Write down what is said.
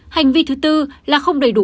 hành vi thứ bốn là không đầy đủ